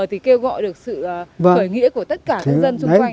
thì kêu gọi được sự khởi nghĩa của tất cả nhân dân xung quanh